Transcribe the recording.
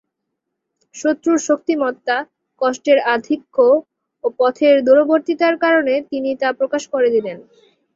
শত্রুর শক্তিমত্তা, কষ্টের আধিক্য ও পথের দূরবর্তীতার কারণে তিনি তা প্রকাশ করে দিলেন।